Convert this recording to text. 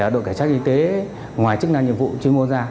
đội cảnh sát y tế ngoài chức năng nhiệm vụ chuyên môn ra